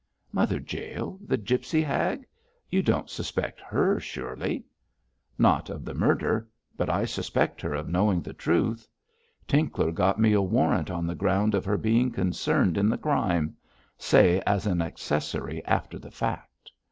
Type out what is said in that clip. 'Mother Jael, the gipsy hag! You don't suspect her, surely!' 'Not of the murder; but I suspect her of knowing the truth. Tinkler got me a warrant on the ground of her being concerned in the crime say, as an accessory after the fact.